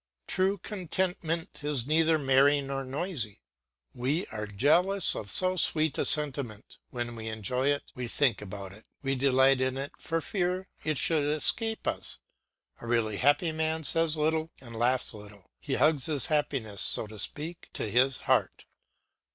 True contentment is neither merry nor noisy; we are jealous of so sweet a sentiment, when we enjoy it we think about it, we delight in it for fear it should escape us. A really happy man says little and laughs little; he hugs his happiness, so to speak, to his heart.